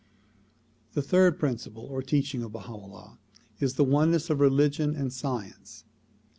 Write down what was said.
The third principle or teaching of Baha 'Ullah is the oneness of religion and science.